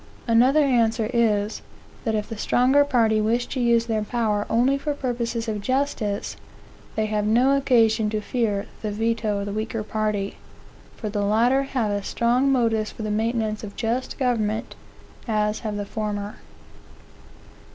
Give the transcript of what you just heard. Another answer is, that if the stronger party wish to use their power only for purposes of justice, they have no occasion to fear the veto of the weaker party; for the latter have as strong motives for the maintenance of just government, as have the former.